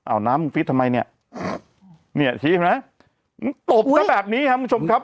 อ้าวน้ำมึงฟิกทำไมเนี่ยเนี่ยเที๋ยวนะอุ๊ยน่ะแบบนี้บางชมครับ